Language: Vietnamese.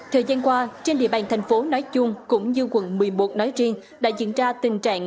thời gian qua trên địa bàn tp hcm cũng như quận một mươi một nói riêng đã diễn ra tình trạng